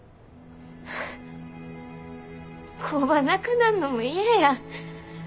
工場なくなんのも嫌や。